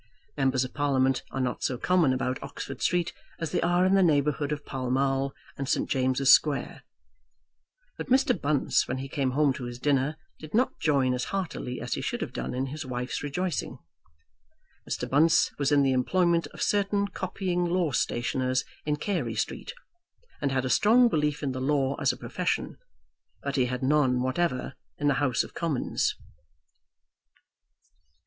Members of Parliament are not so common about Oxford Street as they are in the neighbourhood of Pall Mall and St. James's Square. But Mr. Bunce, when he came home to his dinner, did not join as heartily as he should have done in his wife's rejoicing. Mr. Bunce was in the employment of certain copying law stationers in Carey Street, and had a strong belief in the law as a profession; but he had none whatever in the House of Commons.